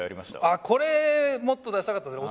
あっこれもっと出したかったっすね。